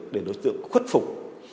để đối tượng khuất phục